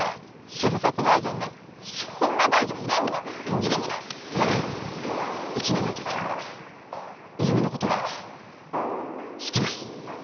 瞬殺バージョンねそんなバージョンいらんわ縁起でもない１年のときから泉のことが好きです